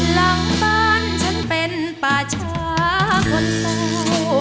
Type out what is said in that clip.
หลังบ้านฉันเป็นป่าช้าคนโต